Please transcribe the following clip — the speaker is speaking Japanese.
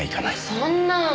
そんな。